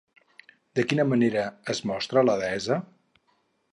De quina manera es mostra la deessa?